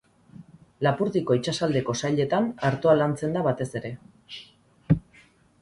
Lapurdiko itsasaldeko sailetan artoa lantzen da batez ere.